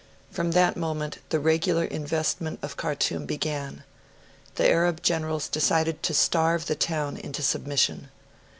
From that moment the regular investment of Khartoum began. The Arab generals decided to starve the town into submission.